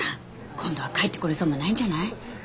今度は帰ってこれそうもないんじゃない？